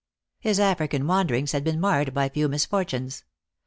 His African wanderings had been marred by few misfortunes.